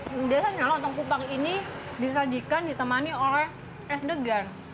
biasanya lontong kupang ini disajikan ditemani oleh es degan